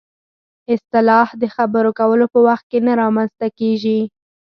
اصطلاح د خبرو کولو په وخت کې نه رامنځته کېږي